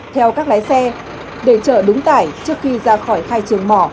theo các lái xe để trở đúng tải trước khi ra khỏi khai trường mò